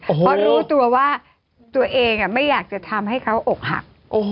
เพราะรู้ตัวว่าตัวเองไม่อยากจะทำให้เขาอกหัก